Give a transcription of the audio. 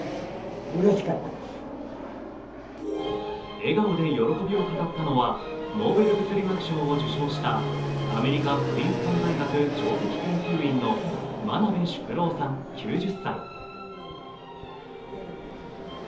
笑顔で喜びを語ったのはノーベル物理学賞を受賞したアメリカ・プリンストン大学上席研究員の真鍋淑郎さん、９０歳。